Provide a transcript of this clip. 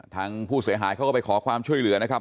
ทางผู้เสียหายเขาก็ไปขอความช่วยเหลือนะครับ